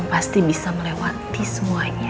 pasti bisa melewati semuanya